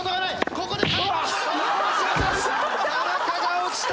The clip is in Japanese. ここでうわっ田中が落ちた！